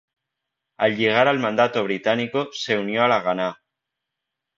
Al llegar al Mandato Británico se unió a la Haganá.